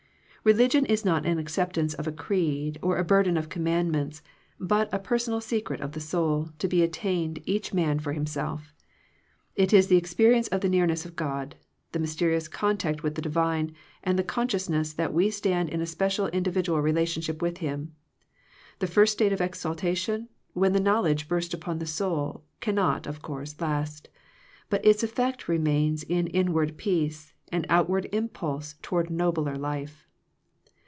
Religion is not an acceptance of a creed, or a burden of commandments, but a personal secret of the soul, to be attained each man for himself. It is the experience of the nearness of God, the mysterious contact with the divine, and the consciousness that we stand in a special individual re lationship with Him. The first state of exaltation, when the knowledge burst upon the soul, cannot, of course, last; but its effect remains in inward peace, and outward impulse toward nobler life.